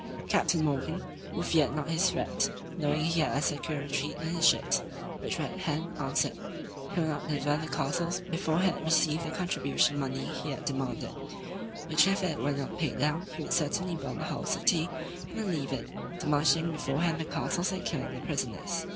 Captain Morgan, who feared not his threats, knowing he had a secure retreat in his ships, which were at hand, answered, "he would not deliver the castles, before he had received the contribution money he had demanded; which if it were not paid down, he would certainly burn the whole city, and then leave it, demolishing beforehand the castles, and killing the prisoners."